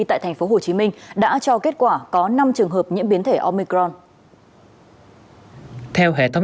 tại thành phố hồ chí minh đã cho kết quả có năm trường hợp nhiễm biến thể omicron theo hệ thống